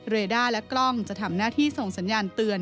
ด้าและกล้องจะทำหน้าที่ส่งสัญญาณเตือน